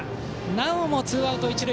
なおもツーアウト、一塁。